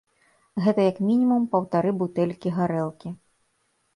Гэта як мінімум паўтары бутэлькі гарэлкі.